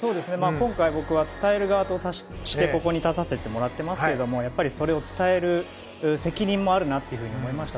今回、僕は伝える側としてここに立たせてもらってますけどやっぱり、それを伝える責任もあるなと思いました。